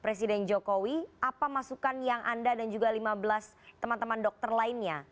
presiden jokowi apa masukan yang anda dan juga lima belas teman teman dokter lainnya